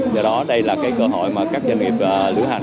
do đó đây là cái cơ hội mà các doanh nghiệp lưu hành